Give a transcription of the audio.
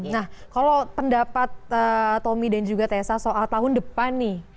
nah kalau pendapat tommy dan juga tessa soal tahun depan nih